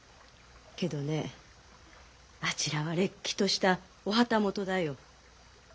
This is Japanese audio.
けどねあちらはれっきとしたお旗本だよ。